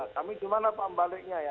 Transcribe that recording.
tapi gimana pak membaliknya ya